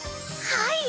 はい！